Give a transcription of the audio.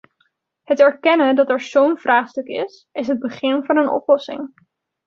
Het erkennen dat er zo'n vraagstuk is, is het begin van een oplossing.